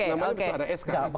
namanya bisa ada sk